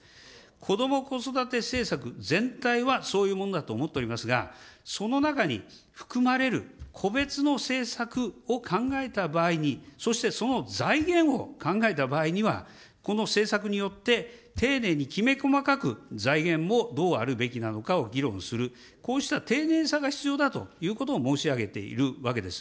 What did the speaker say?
こども・子育て政策全体はそういうものだと思っておりますが、その中に含まれる個別の政策を考えた場合に、そしてその財源を考えた場合には、この政策によって丁寧にきめ細かく、財源もどうあるべきなのかを議論する、こうした丁寧さが必要だということを申し上げているわけです。